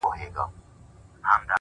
• محفل ته خاندې پخپله ژاړې ,